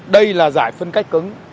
đây là giải phân cách cứng